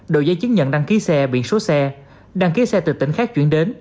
đồ dây chứng nhận đăng ký xe biển số xe đăng ký xe từ tỉnh khác chuyển đến